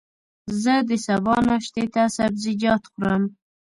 زه د سبا ناشتې ته سبزيجات خورم.